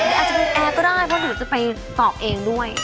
อาจจะเป็นแอร์ก็ได้เพราะหนูจะไปตอบเองด้วย